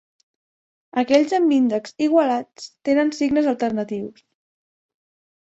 Aquells amb índex igualats tenen signes alternatius.